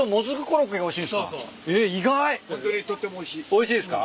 おいしいですか？